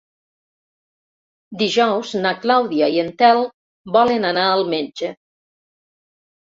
Dijous na Clàudia i en Telm volen anar al metge.